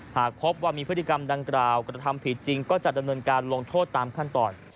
หากพบว่ามีพฤติกรรมดังกล่าวกระทำผิดจริงก็จะดำเนินการลงโทษตามขั้นตอน